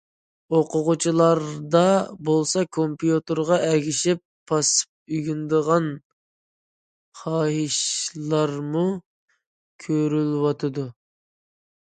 ئوقۇغۇچىلاردا بولسا كومپيۇتېرغا ئەگىشىپ پاسسىپ ئۆگىنىدىغان خاھىشلارمۇ كۆرۈلۈۋاتىدۇ.